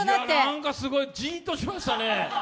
なんかジーンとしましたね。